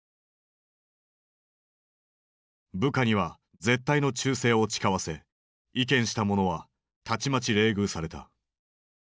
部下には絶対の忠誠を誓わせ意見した者はたちまち冷遇された。